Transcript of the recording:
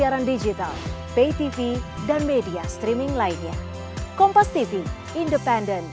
ya jadi kita akan kualisi dengan partai partai yang lain